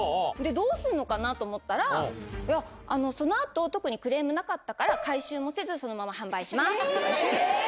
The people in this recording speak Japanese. どうするのかなと思ったら、いや、そのあと、特にクレームなかったから、回収もせず、そのまま販売しますって。